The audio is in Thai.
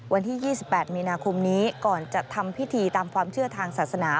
วันที่๒๘มีนาคมนี้ก่อนจะทำพิธีตามความเชื่อทางศาสนา